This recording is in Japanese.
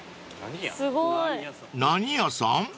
［何屋さん？］